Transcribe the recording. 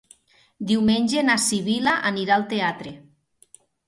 Diumenge na Sibil·la anirà al teatre.